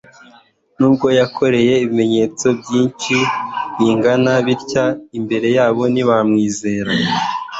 «Nubwo yakoreye ibimenyetso byinshi bingana bityo imbere yabo ntibamwizera.»